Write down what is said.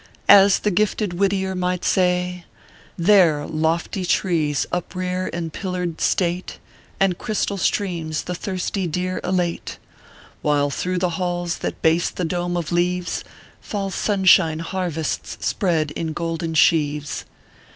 As the gifted Whittier might say :" There lofty trees uprcar iu pillared state, And crystal streams the thirsty deer elate ; While through the halls that base the dome of leaves Fall sunshine harvests spread in golden sheaves.